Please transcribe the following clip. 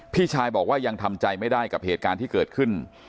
พี่ชายบอกว่ายังทำใจไม่ได้กับเหตุการณ์ที่เกิดขึ้น